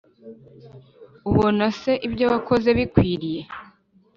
ubona se ibyo wakoze bikwiriye